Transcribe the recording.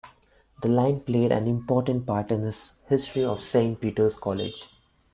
The line played an important part in the history of Saint Peter's College.